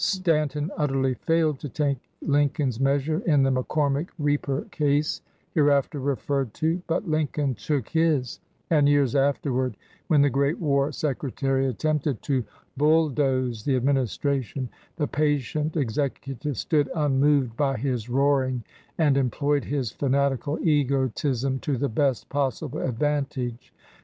Stanton utterly failed to take Lin coln's measure in the McCormick reaper case (hereafter referred to) but Lincoln took his, and years afterward, when the great war secretary attempted to bulldoze the administration, the patient Executive stood unmoved by his roaring and employed his fanatical egotism to the best possible advantage.